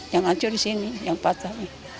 yang hancur di sini yang patah